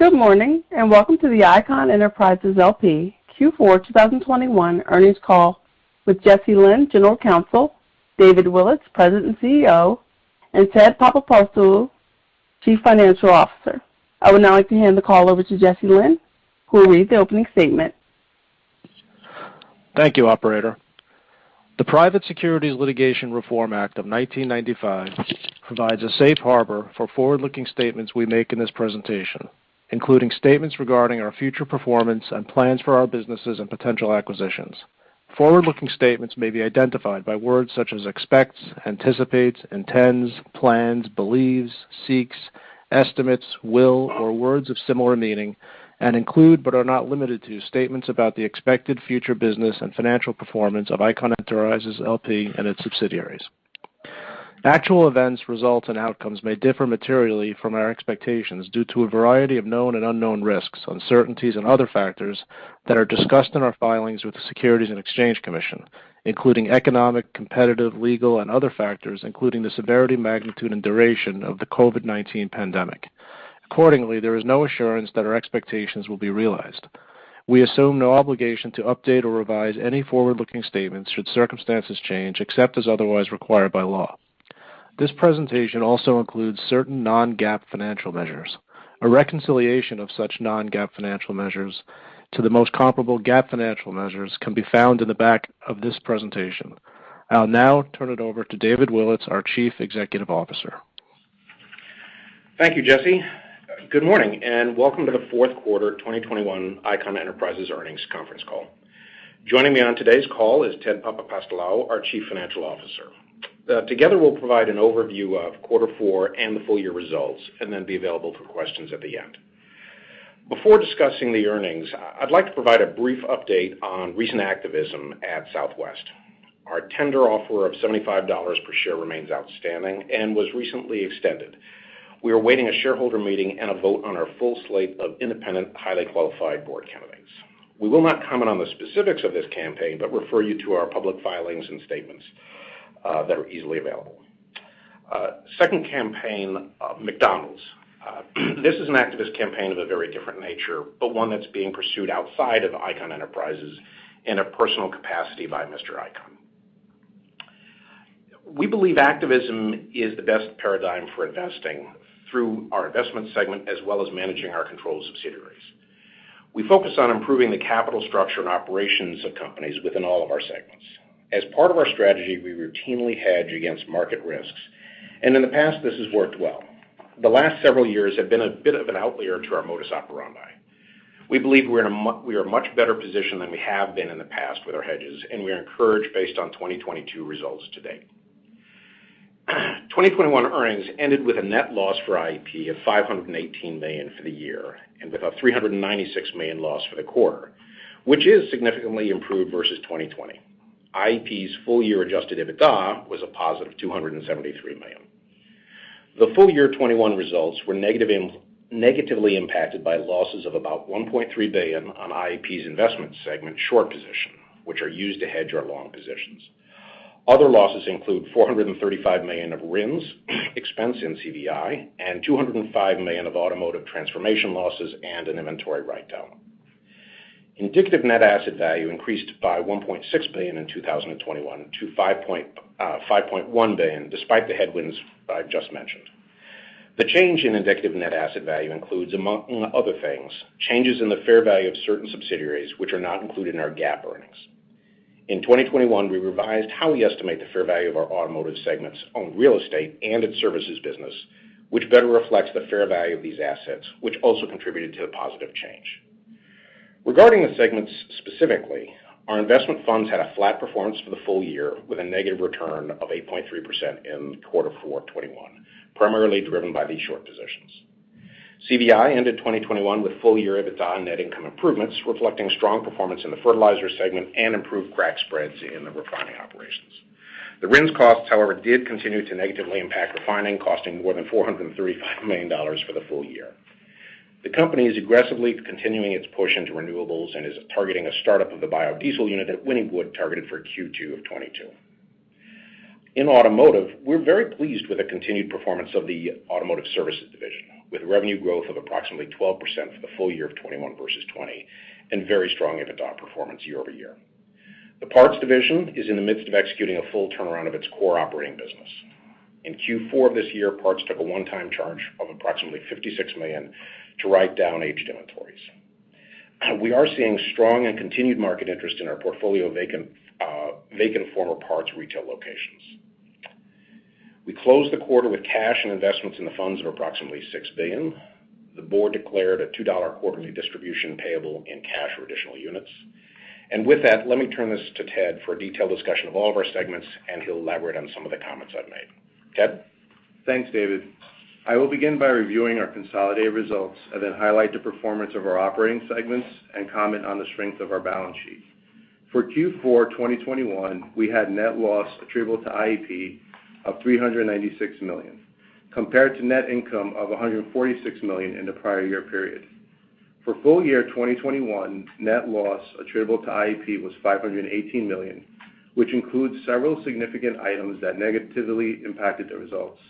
Good morning, and welcome to the Icahn Enterprises L.P. Q4 2021 earnings call with Jesse Lynn, General Counsel, David Willetts, President and CEO, and Ted Papapostolou, Chief Financial Officer. I would now like to hand the call over to Jesse Lynn, who will read the opening statement. Thank you, operator. The Private Securities Litigation Reform Act of 1995 provides a safe harbor for forward-looking statements we make in this presentation, including statements regarding our future performance and plans for our businesses and potential acquisitions. Forward-looking statements may be identified by words such as expects, anticipates, intends, plans, believes, seeks, estimates, will, or words of similar meaning, and include, but are not limited to, statements about the expected future business and financial performance of Icahn Enterprises L.P. and its subsidiaries. Actual events, results, and outcomes may differ materially from our expectations due to a variety of known and unknown risks, uncertainties, and other factors that are discussed in our filings with the Securities and Exchange Commission, including economic, competitive, legal, and other factors, including the severity, magnitude, and duration of the COVID-19 pandemic. Accordingly, there is no assurance that our expectations will be realized. We assume no obligation to update or revise any forward-looking statements should circumstances change, except as otherwise required by law. This presentation also includes certain non-GAAP financial measures. A reconciliation of such non-GAAP financial measures to the most comparable GAAP financial measures can be found in the back of this presentation. I'll now turn it over to David Willetts, our Chief Executive Officer. Thank you, Jesse. Good morning, and welcome to the fourth quarter 2021 Icahn Enterprises earnings conference call. Joining me on today's call is Ted Papapostolou, our Chief Financial Officer. Together, we'll provide an overview of quarter four and the full year results, and then be available for questions at the end. Before discussing the earnings, I'd like to provide a brief update on recent activism at Southwest. Our tender offer of $75 per share remains outstanding and was recently extended. We are awaiting a shareholder meeting and a vote on our full slate of independent, highly qualified board candidates. We will not comment on the specifics of this campaign, but refer you to our public filings and statements that are easily available. Second campaign, McDonald's. This is an activist campaign of a very different nature, but one that's being pursued outside of Icahn Enterprises in a personal capacity by Mr. Icahn. We believe activism is the best paradigm for investing through our investment segment, as well as managing our controlled subsidiaries. We focus on improving the capital structure and operations of companies within all of our segments. As part of our strategy, we routinely hedge against market risks, and in the past, this has worked well. The last several years have been a bit of an outlier to our modus operandi. We believe we are much better positioned than we have been in the past with our hedges, and we are encouraged based on 2022 results to date. 2021 earnings ended with a net loss for IEP of $518 million for the year and with a $396 million loss for the quarter, which is significantly improved versus 2020. IEP's full-year adjusted EBITDA was a +$273 million. The full year 2021 results were negatively impacted by losses of about $1.3 billion on IEP's investment segment short position, which are used to hedge our long positions. Other losses include $435 million of RINs expense in CVI, and $205 million of automotive transformation losses and an inventory write-down. Indicative net asset value increased by $1.6 billion in 2021 to $5.1 billion, despite the headwinds I've just mentioned. The change in indicative net asset value includes, among other things, changes in the fair value of certain subsidiaries, which are not included in our GAAP earnings. In 2021, we revised how we estimate the fair value of our automotive segment's owned real estate and its services business, which better reflects the fair value of these assets, which also contributed to the positive change. Regarding the segments specifically, our investment funds had a flat performance for the full year, with a negative return of 8.3% in Q4 2021, primarily driven by these short positions. CVI ended 2021 with full-year EBITDA and net income improvements, reflecting strong performance in the fertilizer segment and improved crack spreads in the refining operations. The RINs costs, however, did continue to negatively impact refining, costing more than $435 million for the full year. The company is aggressively continuing its push into renewables and is targeting a startup of the biodiesel unit at Wynnewood, targeted for Q2 of 2022. In automotive, we're very pleased with the continued performance of the automotive services division, with revenue growth of approximately 12% for the full year of 2021 versus 2020, and very strong EBITDA performance year-over-year. The parts division is in the midst of executing a full turnaround of its core operating business. In Q4 of this year, parts took a one-time charge of approximately $56 million to write down aged inventories. We are seeing strong and continued market interest in our portfolio of vacant former parts retail locations. We closed the quarter with cash and investments in the funds of approximately $6 billion. The board declared a $2 quarterly distribution payable in cash or additional units. With that, let me turn this to Ted for a detailed discussion of all of our segments, and he'll elaborate on some of the comments I've made. Ted? Thanks, David. I will begin by reviewing our consolidated results and then highlight the performance of our operating segments and comment on the strength of our balance sheet. For Q4 2021, we had net loss attributable to IEP of $396 million, compared to net income of $146 million in the prior year period. For full year 2021, net loss attributable to IEP was $518 million, which includes several significant items that negatively impacted the results.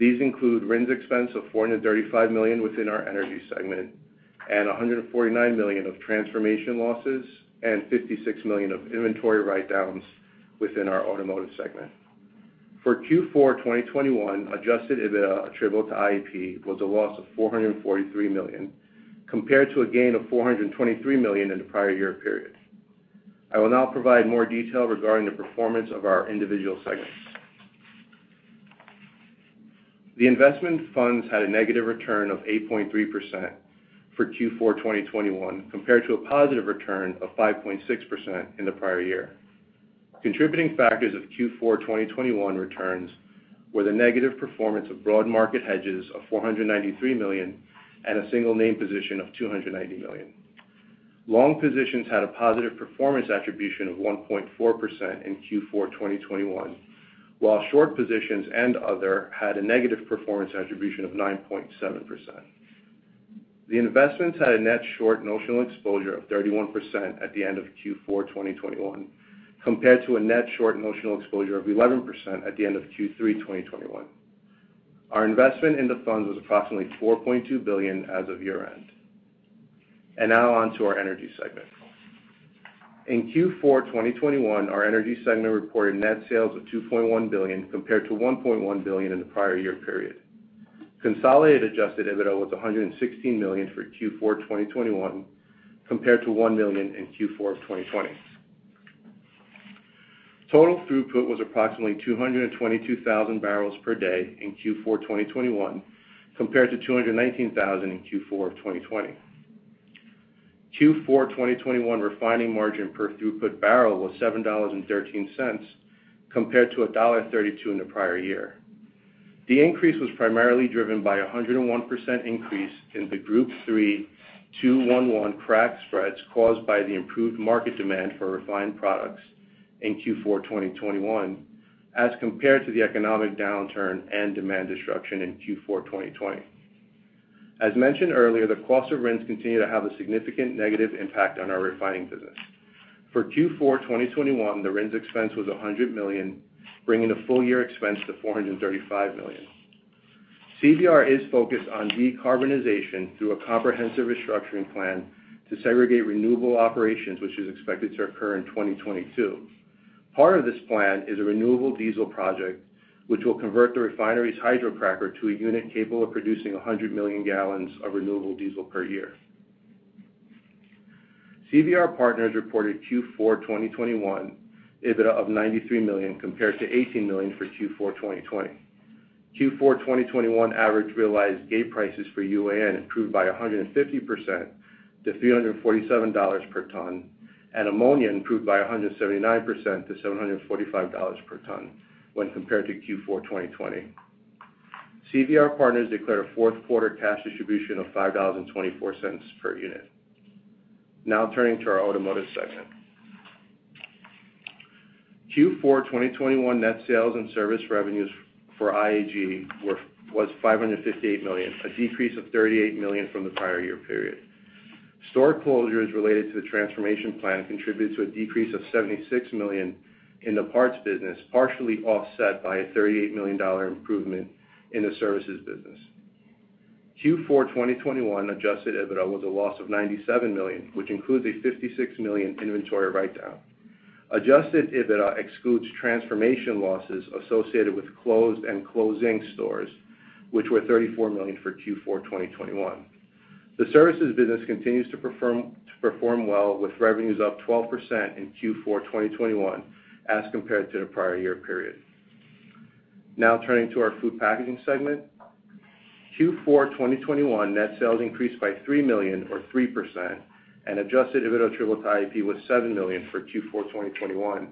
These include RINs expense of $435 million within our energy segment, and $149 million of transformation losses, and $56 million of inventory write-downs within our automotive segment. For Q4 2021, adjusted EBITDA attributable to IEP was a loss of $443 million compared to a gain of $423 million in the prior year period. I will now provide more detail regarding the performance of our individual segments. The investment funds had a negative return of 8.3% for Q4 2021, compared to a positive return of 5.6% in the prior year. Contributing factors of Q4 2021 returns were the negative performance of broad market hedges of $493 million and a single name position of $290 million. Long positions had a positive performance attribution of 1.4% in Q4 2021, while short positions and other had a negative performance attribution of 9.7%. The investments had a net short notional exposure of 31% at the end of Q4 2021, compared to a net short notional exposure of 11% at the end of Q3 2021. Our investment in the funds was approximately $4.2 billion as of year-end. Now on to our energy segment. In Q4 2021, our energy segment reported net sales of $2.1 billion, compared to $1.1 billion in the prior year period. Consolidated adjusted EBITDA was $116 million for Q4 2021, compared to $1 million in Q4 2020. Total throughput was approximately 222,000 bbl per day in Q4 2021, compared to 219,000 in Q4 2020. Q4 2021 refining margin per throughput barrel was $7.13, compared to $1.32 in the prior year. The increase was primarily driven by a 101% increase in the Group Three 2-1-1 crack spreads caused by the improved market demand for refined products in Q4 2021, as compared to the economic downturn and demand destruction in Q4 2020. As mentioned earlier, the cost of RINs continue to have a significant negative impact on our refining business. For Q4 2021, the RINs expense was $100 million, bringing the full year expense to $435 million. CVR is focused on decarbonization through a comprehensive restructuring plan to segregate renewable operations, which is expected to occur in 2022. Part of this plan is a renewable diesel project, which will convert the refinery's hydrocracker to a unit capable of producing 100 million gal of renewable diesel per year. CVR Partners reported Q4 2021 EBITDA of $93 million, compared to $18 million for Q4 2020. Q4 2021 average realized gate prices for UAN improved by 150% to $347 per ton, and ammonia improved by 179% to $745 per ton when compared to Q4 2020. CVR Partners declared a fourth quarter cash distribution of $5.24 per unit. Now turning to our automotive segment. Q4 2021 net sales and service revenues for IAG were $558 million, a decrease of $38 million from the prior year period. Store closures related to the transformation plan contributes to a decrease of $76 million in the parts business, partially offset by a $38 million improvement in the services business. Q4 2021 adjusted EBITDA was a loss of $97 million, which includes a $56 million inventory write-down. Adjusted EBITDA excludes transformation losses associated with closed and closing stores, which were $34 million for Q4 2021. The services business continues to perform well, with revenues up 12% in Q4 2021, as compared to the prior year period. Now turning to our food packaging segment. Q4 2021 net sales increased by $3 million or 3% and adjusted EBITDA attributable to IEP was $7 million for Q4 2021,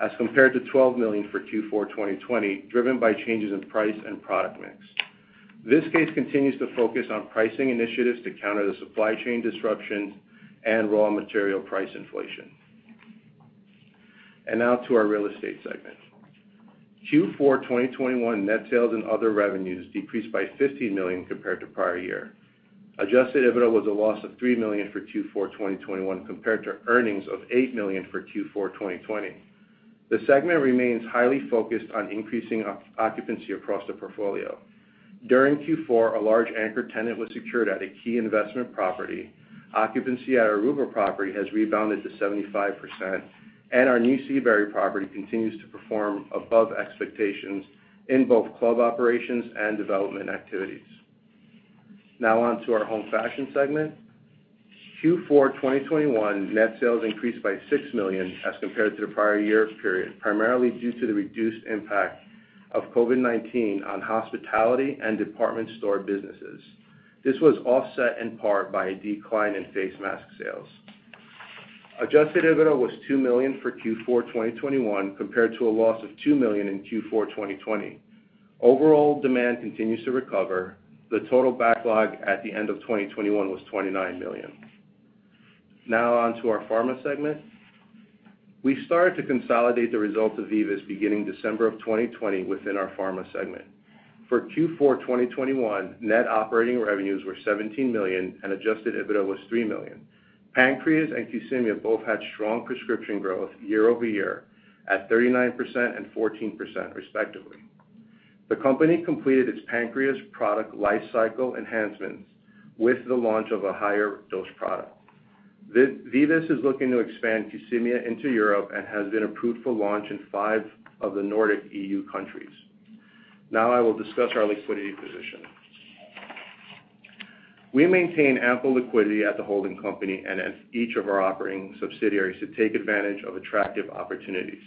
as compared to $12 million for Q4 2020, driven by changes in price and product mix. Viskase continues to focus on pricing initiatives to counter the supply chain disruptions and raw material price inflation. Now to our real estate segment. Q4 2021 net sales and other revenues decreased by $50 million compared to prior year. Adjusted EBITDA was a loss of $3 million for Q4 2021, compared to earnings of $8 million for Q4 2020. The segment remains highly focused on increasing occupancy across the portfolio. During Q4, a large anchor tenant was secured at a key investment property. Occupancy at our Aruba property has rebounded to 75%, and our New Seabury property continues to perform above expectations in both club operations and development activities. Now on to our home fashion segment. Q4 2021 net sales increased by $6 million as compared to the prior year period, primarily due to the reduced impact of COVID-19 on hospitality and department store businesses. This was offset in part by a decline in face mask sales. Adjusted EBITDA was $2 million for Q4 2021, compared to a loss of $2 million in Q4 2020. Overall demand continues to recover. The total backlog at the end of 2021 was $29 million. Now on to our pharma segment. We started to consolidate the results of VIVUS beginning December 2020 within our pharma segment. For Q4 2021, net operating revenues were $17 million and adjusted EBITDA was $3 million. PANCREAZE and Qsymia both had strong prescription growth year-over-year at 39% and 14% respectively. The company completed its PANCREAZE product life cycle enhancements with the launch of a higher dose product. VIVUS is looking to expand Qsymia into Europe and has been approved for launch in five of the Nordic EU countries. Now I will discuss our liquidity position. We maintain ample liquidity at the holding company and at each of our operating subsidiaries to take advantage of attractive opportunities.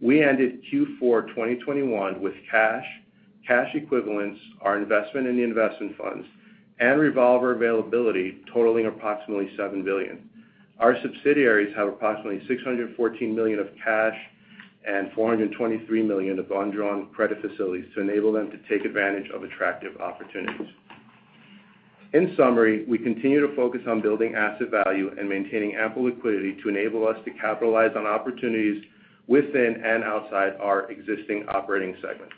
We ended Q4 2021 with cash equivalents, our investment in the investment funds, and revolver availability totaling approximately $7 billion. Our subsidiaries have approximately $614 million of cash and $423 million of undrawn credit facilities to enable them to take advantage of attractive opportunities. In summary, we continue to focus on building asset value and maintaining ample liquidity to enable us to capitalize on opportunities within and outside our existing operating segments.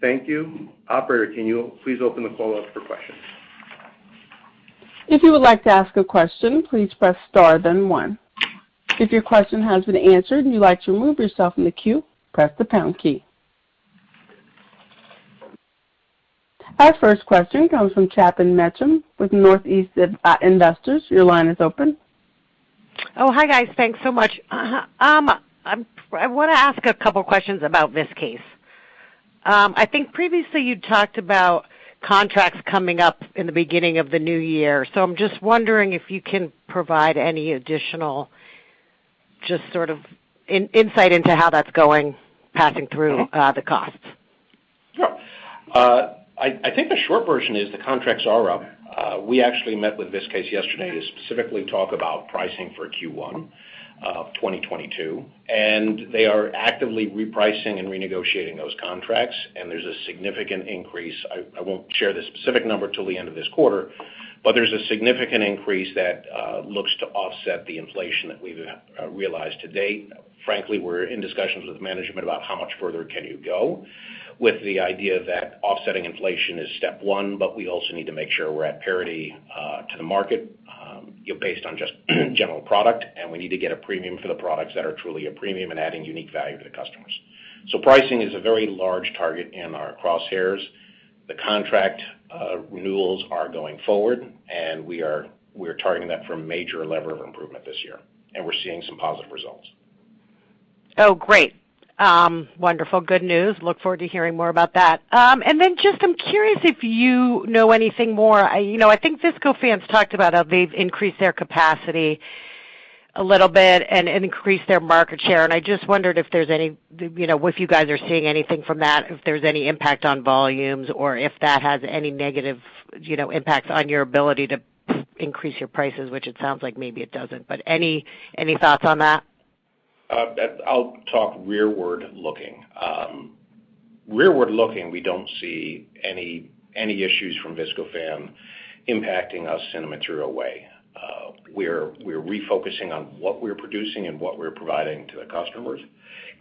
Thank you. Operator, can you please open the call up for questions? If you would like to ask a question, please press star then one. If your question has been answered and you'd like to remove yourself from the queue, press the pound key. Our first question comes from Chapin Mechem with Northeast Investors. Your line is open. Oh, hi, guys. Thanks so much. I wanna ask a couple questions about Viskase. I think previously you talked about contracts coming up in the beginning of the new year. I'm just wondering if you can provide any additional just sort of insight into how that's going, passing through the costs. Sure. I think the short version is the contracts are up. We actually met with Viskase yesterday to specifically talk about pricing for Q1 of 2022, and they are actively repricing and renegotiating those contracts, and there's a significant increase. I won't share the specific number till the end of this quarter, but there's a significant increase that looks to offset the inflation that we've realized to date. Frankly, we're in discussions with management about how much further can you go with the idea that offsetting inflation is step one, but we also need to make sure we're at parity to the market, you know, based on just general product, and we need to get a premium for the products that are truly a premium and adding unique value to the customers. Pricing is a very large target in our crosshairs. The contract, renewals are going forward, and we are targeting that for a major lever of improvement this year, and we're seeing some positive results. Oh, great. Wonderful. Good news. Look forward to hearing more about that. I'm curious if you know anything more. You know, I think Viscofan's talked about how they've increased their capacity a little bit and increased their market share, and I just wondered if there's any, you know, if you guys are seeing anything from that, if there's any impact on volumes or if that has any negative, you know, impacts on your ability to increase your prices, which it sounds like maybe it doesn't, but any thoughts on that? I'll talk forward-looking. Forward-looking, we don't see any issues from Viscofan impacting us in a material way. We're refocusing on what we're producing and what we're providing to the customers.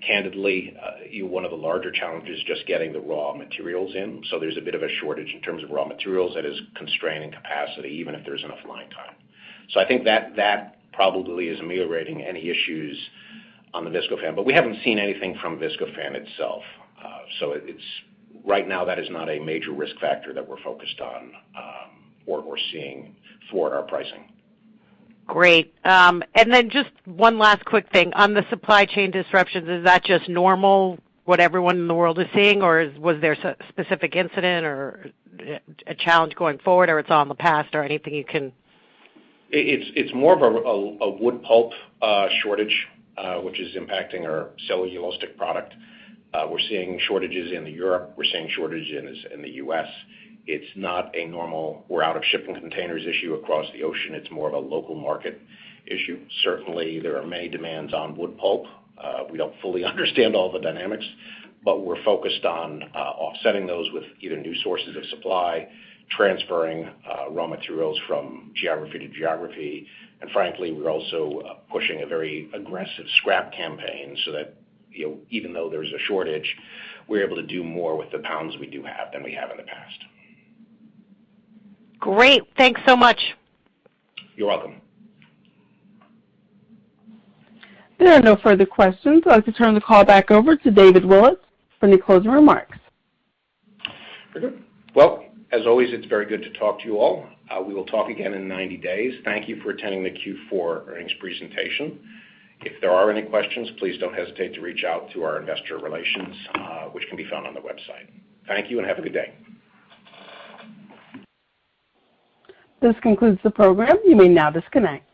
Candidly, one of the larger challenges is just getting the raw materials in, so there's a bit of a shortage in terms of raw materials that is constraining capacity even if there's enough line time. I think that probably is ameliorating any issues on the Viscofan, but we haven't seen anything from Viscofan itself. It's right now that is not a major risk factor that we're focused on, or we're seeing for our pricing. Great. Just one last quick thing. On the supply chain disruptions, is that just normal what everyone in the world is seeing or was there specific incident or a challenge going forward or it's all in the past or anything you can? It's more of a wood pulp shortage which is impacting our cellulosic product. We're seeing shortages in Europe. We're seeing shortages in the U.S. It's not a normal we're out of shipping containers issue across the ocean. It's more of a local market issue. Certainly, there are many demands on wood pulp. We don't fully understand all the dynamics, but we're focused on offsetting those with either new sources of supply, transferring raw materials from geography to geography. Frankly, we're also pushing a very aggressive scrap campaign so that, you know, even though there's a shortage, we're able to do more with the pounds we do have than we have in the past. Great. Thanks so much. You're welcome. There are no further questions. I'd like to turn the call back over to David Willetts for any closing remarks. Very good. Well, as always, it's very good to talk to you all. We will talk again in 90 days. Thank you for attending the Q4 earnings presentation. If there are any questions, please don't hesitate to reach out to our investor relations, which can be found on the website. Thank you, and have a good day. This concludes the program. You may now disconnect.